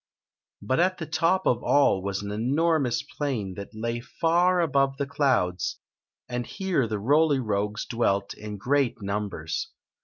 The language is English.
But at the top of all was an enormous plain that lay fer above the clouds, and here the Roly Rogues dwelt in great numbers.